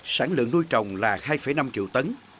sản lượng nuôi trồng là hai năm triệu tấn